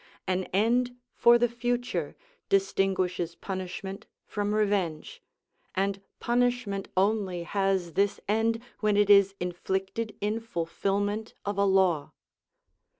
An end for the future distinguishes punishment from revenge, and punishment only has this end when it is inflicted in fulfilment of a law.